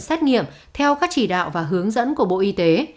xét nghiệm theo các chỉ đạo và hướng dẫn của bộ y tế